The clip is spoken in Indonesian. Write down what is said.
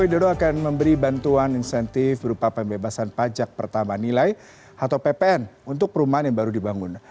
widodo akan memberi bantuan insentif berupa pembebasan pajak pertama nilai atau ppn untuk perumahan yang baru dibangun